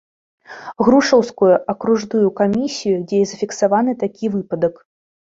Грушаўскую акружную камісію, дзе і зафіксаваны такі выпадак.